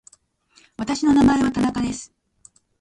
私の名前は田中です。